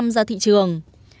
ra thị trường